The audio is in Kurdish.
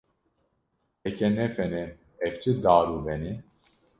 Heke ne fen e, ev çi dar û ben e.